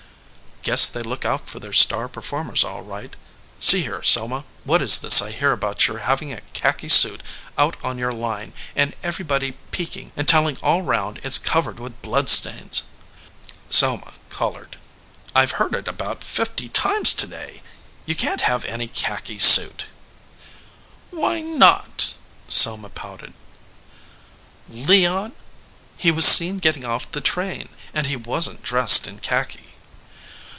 "Guess they look out for their star performers all right. See here, Selma, what is this I hear 167 EDGEWATER PEOPLE about your having a khaki suit out on your line, and everybody peeking and telling all round it s covered with blood stains?" Selma colored. "I ve heard it about fifty times to day. You can t have any khaki suit." "Why not?" Selma pouted. "Leon? He was seen getting off the train, and he wasn t dressed in khaki."